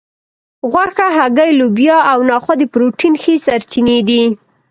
غوښه هګۍ لوبیا او نخود د پروټین ښې سرچینې دي